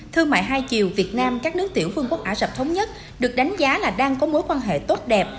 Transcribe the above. thương mại hai chiều việt nam các nước tiểu phương quốc ả rập thống nhất được đánh giá là đang có mối quan hệ tốt đẹp